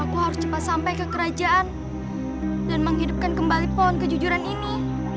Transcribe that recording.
aku harus cepat sampai ke kerajaan dan menghidupkan kembali pohon kejujuran ini